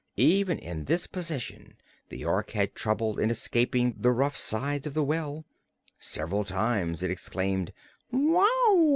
Even in this position the Ork had trouble in escaping the rough sides of the well. Several times it exclaimed "Wow!"